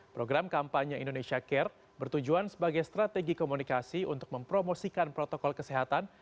program kampanye indonesia care bertujuan sebagai strategi komunikasi untuk mempromosikan protokol kesehatan